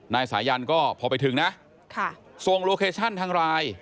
นายสายันก็พอไปถึงนะส่งโลเคชั่นทางไลน์